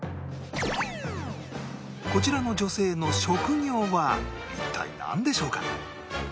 こちらの女性の職業は一体なんでしょうか？